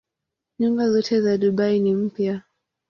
Nyumba zote za Dubai ni mpya.